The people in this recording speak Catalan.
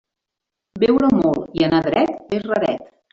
Beure molt i anar dret és raret.